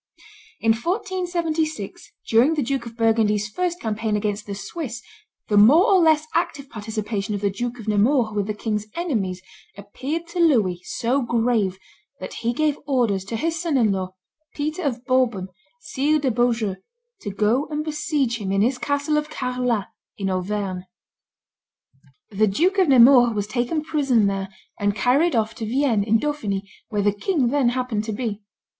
In 1476, during the Duke of Burgundy's first campaign against the Swiss, the more or less active participation of the Duke of Nemours with the king's enemies appeared to Louis so grave, that he gave orders to his son in law, Peter of Bourbon, Sire de Beaujeu, to go and besiege him in his castle of Carlat, in Auvergne. The Duke of Nemours was taken prisoner there and carried off to Vienne, in Dauphiny, where the king then happened to be.